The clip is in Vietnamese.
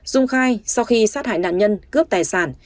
dung khai sau khi sát hại nạn nhân cướp tài sản